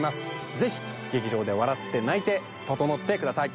是非劇場で笑って泣いてととのってください。